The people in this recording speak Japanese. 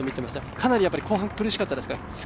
かなり後半、苦しかったですか。